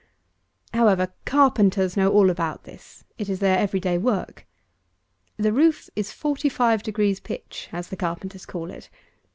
However, carpenters know all about this. It is their every day work. The roof is forty five degrees pitch, as the carpenters call it.